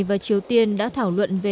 và triều tiên đã thảo luận về